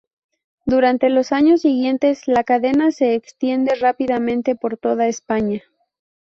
Durante los años siguientes, la cadena se extiende rápidamente por toda España.